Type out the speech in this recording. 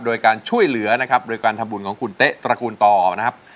โดยการช่วยเหลือนะครับโดยการทำบุญของคุณเต๊ะตระกูลต่อนะครับ